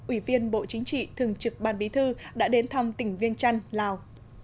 ủy viên bộ chính trị thường trực ban bí thư đã đến thăm tỉnh viên trăn lào